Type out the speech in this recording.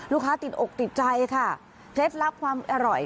ลูกค้าติดอกติดใจค่ะเทปลับความอร่อย